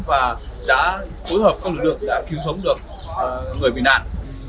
và đã phối hợp các lực lượng đã cứu sống được người bị nạn